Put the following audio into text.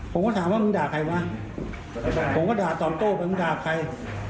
ผมก็ถามว่ามึงด่าใครวะผมก็ด่าตอบโต้ไปมึงด่าใคร